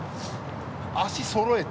足そろえて。